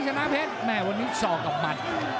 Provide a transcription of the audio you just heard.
ชนะเพชรแม่วันนี้สอกกับหมัด